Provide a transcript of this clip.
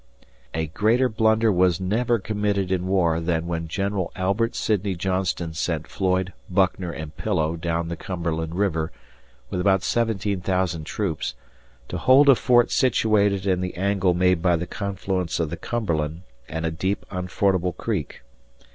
A greater blunder was never committed in war than when General Albert Sidney Johnston sent Floyd, Buckner, and Pillow down the Cumberland River, with about 17,000 troops, to hold a fort situated in the angle made by the confluence of the Cumberland and a deep, unfordable creek.